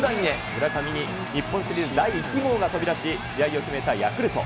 村上に日本シリーズ第１号が飛び出し、試合を決めたヤクルト。